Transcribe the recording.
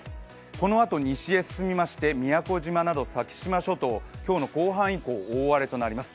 このあと西へ進みまして宮古島など先島諸島、今日の後半以降大荒れとなります。